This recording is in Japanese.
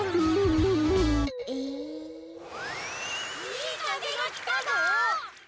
いいかぜがきたぞ！